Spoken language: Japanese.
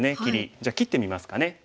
じゃあ切ってみますかね。